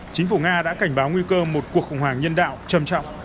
chính phủ nga đã cảnh báo nguy cơ một cuộc khủng hoảng nhân đạo trầm trọng